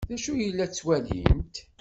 D acu ay la ttwalint?